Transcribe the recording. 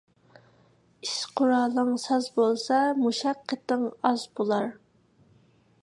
ئىش قۇرالىڭ ساز بولسا، مۇشەققىتىڭ ئاز بولار.